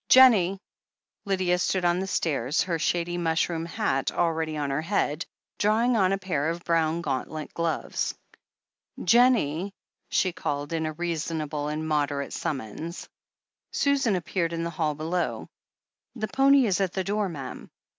"Jennie!" Lydia stood on the stairs, her shady mushroom hat already on her head, drawing on a pair of brown gaunt let gloves. "Jennie I'' she called in reasonable and moderate summons. Susan appeared in the hall below. "The pony is at the door, ma'am."